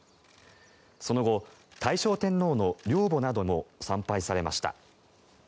その後、大正天皇の陵墓なども参拝されました。